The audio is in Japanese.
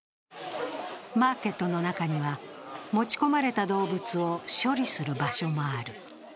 マーケットの中には、持ち込まれた動物を処理する場所もある。